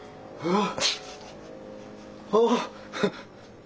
ああ。